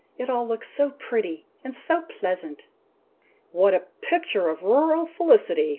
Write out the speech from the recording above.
It looks all so pretty, and so pleasant!" "What a picture of rural felicity!